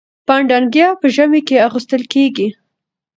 پنډه انګيا په ژمي کي اغوستل کيږي.